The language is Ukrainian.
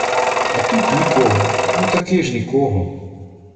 А тут — нікого! Ну таки ж нікого!